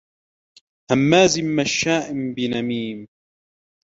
هَمَّازٍ مَّشَّاء بِنَمِيمٍ